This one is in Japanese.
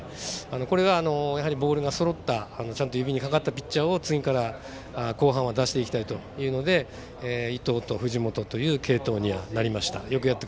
これがボールがそろったちゃんと指にかかったピッチャーを次から後半は出していきたいというので伊藤と藤本という継投になりました。